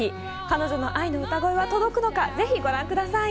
・ルビー、彼女の愛の歌声は家族に届くのか、ぜひご覧ください。